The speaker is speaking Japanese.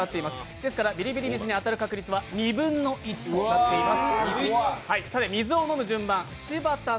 ですから、ビリビリ水に当たる確率は２分の１となっています。